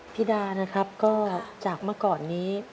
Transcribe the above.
พี่ดานะครับก็จากเมื่อก่อนนี้